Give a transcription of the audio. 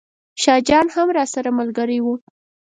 شاه جان هم راسره ملګری و.